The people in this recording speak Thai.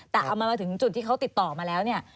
แต่เอามันมาถึงจุดที่เขาติดต่อมาแล้วเนี่ย